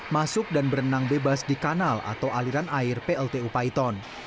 masuk dan berenang bebas di kanal atau aliran air pltu paiton